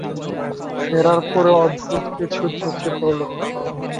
ফেরার পরে অদ্ভুত কিছু চোখে পড়ল তার।